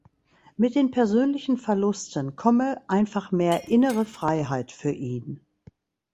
Mit den persönlichen Verlusten komme „einfach mehr innere Freiheit für ihn“.